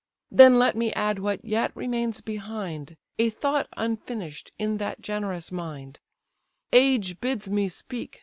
Then let me add what yet remains behind, A thought unfinish'd in that generous mind; Age bids me speak!